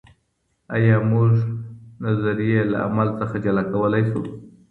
آيا موږ نظريې له عمل څخه جلا کولای سو؟